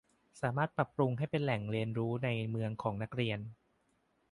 สามารถปรับปรุงให้เป็นแหล่งเรียนรู้ในเมืองของนักเรียน